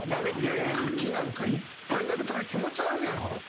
いやいや牡蠣なんかいっぱい食べたら気持ち悪いやろ。